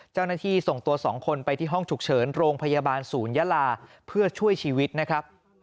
เจ้าหน้าที่ส่งตัว๒คนไปที่ห้องฉุกเฉินโรงพยาบาลศูนยาลาเพื่อช่วยชีวิตนะครับ